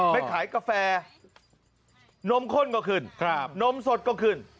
ไปขายกาแฟนมข้นก็ขึ้นนมสดก็ขึ้น